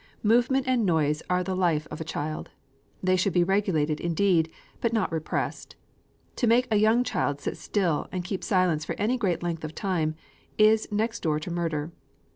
Movement and noise are the life of a child. They should be regulated indeed, but not repressed. To make a young child sit still and keep silence for any great length of time, is next door to murder.